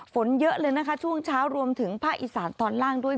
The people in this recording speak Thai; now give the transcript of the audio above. ฝนเยอะเลยนะคะช่วงเช้ารวมถึงภาคอีสานตอนล่างด้วย